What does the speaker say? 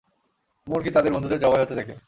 মুরগি তাদের বন্ধুদের জবাই হতে দেখে।